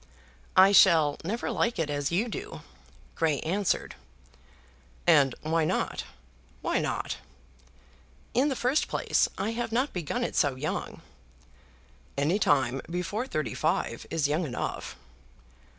"I shall never like it as you do," Grey answered. "And why not; why not?" "In the first place, I have not begun it so young." "Any time before thirty five is young enough."